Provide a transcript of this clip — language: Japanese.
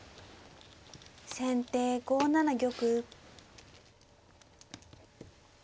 先手５七玉。